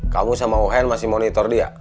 kamu sama uhn masih monitor dia